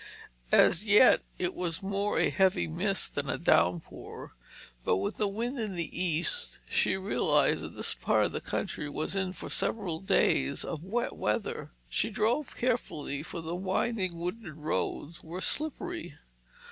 As yet it was more a heavy mist than a downpour. But with the wind in the east she realized that this part of the country was in for several days of wet weather. She drove carefully, for the winding wooded roads were slippery.